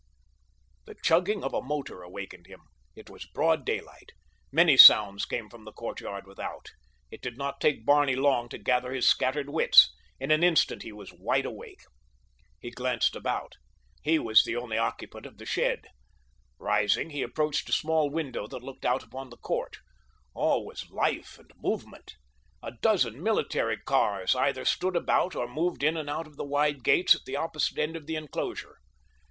The chugging of a motor awakened him. It was broad daylight. Many sounds came from the courtyard without. It did not take Barney long to gather his scattered wits—in an instant he was wide awake. He glanced about. He was the only occupant of the shed. Rising, he approached a small window that looked out upon the court. All was life and movement. A dozen military cars either stood about or moved in and out of the wide gates at the opposite end of the enclosure.